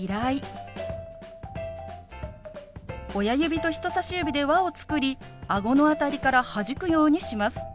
親指と人さし指で輪を作りあごの辺りからはじくようにします。